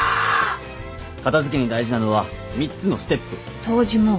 片付けに大事なのは３つのステップ掃除も。